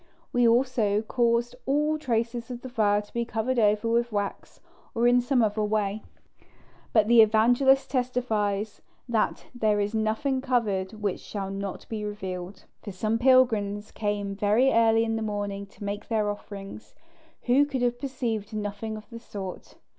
We also caused all traces of the fire to be covered over with wax or in some other way. But the Evangelist testifies that "there is nothing covered which shall not be revealed": for some pilgrims came very early in the morning to make their offerings, who could have perceived nothing of the sort.